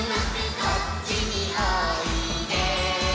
「こっちにおいで」